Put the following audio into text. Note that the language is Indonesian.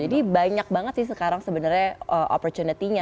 jadi banyak banget sih sekarang sebenarnya opportunity nya